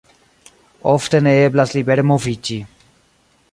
Ofte ne eblas libere moviĝi.